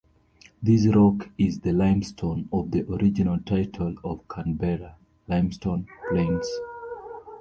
This rock is the limestone of the original title of Canberra "Limestone Plains".